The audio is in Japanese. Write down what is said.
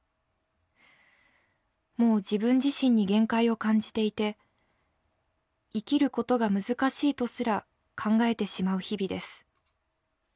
もう自分自身に限界を感じていて生きることが難しいとすら考えてしまう日々です。